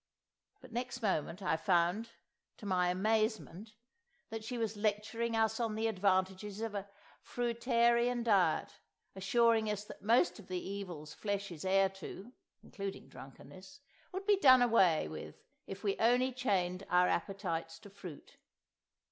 But next moment I found, to my amazement, that she was lecturing us on the advantages of a fruitarian diet, assuring us that most of the evils flesh is heir to (including drunkenness) would be done away with if we only chained our appetites to fruit.